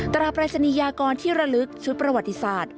ตราปรายศนียากรที่ระลึกชุดประวัติศาสตร์